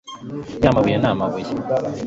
ya mabuye na mabuye